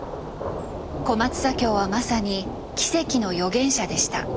小松左京はまさに奇跡の予言者でした。